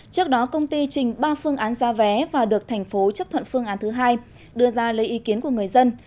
trước đó công ty trình ba phương án ra vé và được thành phố chấp thuận phương án thứ hai đưa ra lấy ý kiến của người dân